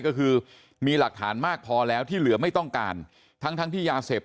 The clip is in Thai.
ก็คือมีหลักฐานมากพอแล้วที่เหลือไม่ต้องการทั้งทั้งที่ยาเสพ